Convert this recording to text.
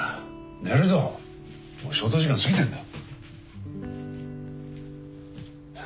寝るぞもう消灯時間過ぎてんだ。